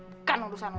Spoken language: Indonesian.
bukan urusan lo